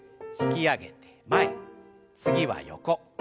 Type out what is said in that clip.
引き上げて前次は横。